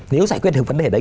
nếu giải quyết được vấn đề đấy